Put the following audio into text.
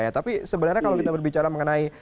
tapi sebenarnya kalau kita berbicara mengenai